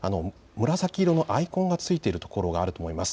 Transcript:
紫色のアイコンがついているところがあると思います。